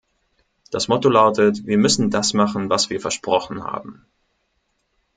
Das Motto lautet, wir müssen das machen, was wir versprochen haben.